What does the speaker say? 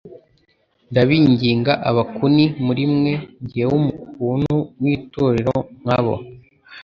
«Ndabinginga abakuni muri mwe, jyewe umukunt w'itorero nk'abo,